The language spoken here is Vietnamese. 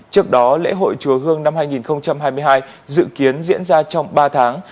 trước đó lễ hội chùa hương năm hai nghìn hai mươi hai dự kiến diễn ra trong ba tháng